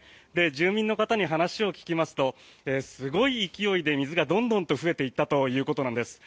住民の方に話を聞きますとすごい勢いで水がどんどんと増えていったということなんです。